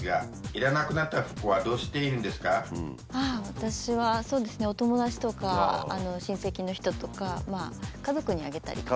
私はそうですねお友達とか親戚の人とか家族にあげたり姪っ子とか。